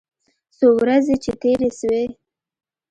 څو ورځې چې تېرې سوې.